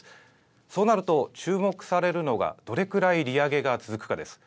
そうなると、注目されるのがどれくらい利上げが続くかです。